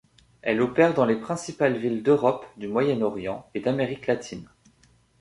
Elle opère dans les principales villes d'Europe, du Moyen-Orient et d'Amérique latine.